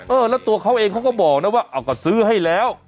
เออแล้วตัวเขาเองเขาก็บอกนะว่าเอาก็ซื้อให้แล้ว